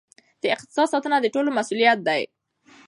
د اقتصاد ساتنه د ټولو مسؤلیت دی.